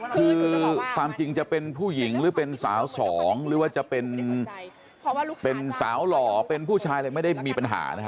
คือความจริงจะเป็นผู้หญิงหรือเป็นสาวสองหรือว่าจะเป็นสาวหล่อเป็นผู้ชายอะไรไม่ได้มีปัญหานะฮะ